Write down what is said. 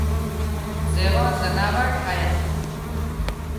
زيوَ زناور ٺاهيان